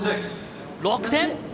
６点。